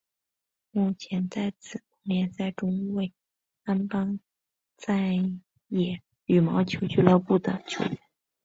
目前在紫盟联赛中为安邦再也羽毛球俱乐部的球员。